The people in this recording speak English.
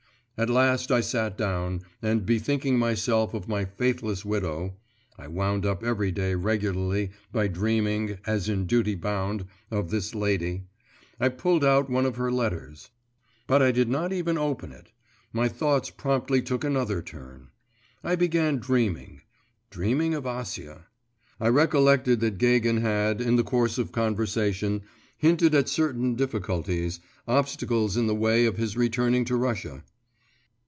At last I sat down, and bethinking myself of my faithless widow (I wound up every day regularly by dreaming, as in duty bound, of this lady), I pulled out one of her letters. But I did not even open it; my thoughts promptly took another turn. I began dreaming dreaming of Acia. I recollected that Gagin had, in the course of conversation, hinted at certain difficulties, obstacles in the way of his returning to Russia.